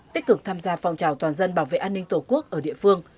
tích cực tham gia phòng trào toàn dân bảo vệ an ninh tổ quốc ở địa phương